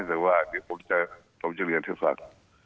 แต่ว่าเดี๋ยวผมจะเรียนให้ฟัง